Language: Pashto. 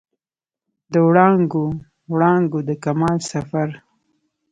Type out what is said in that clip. د وړانګو، وړانګو د کمال سفر